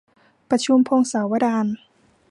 ประชุมพงศาวดาร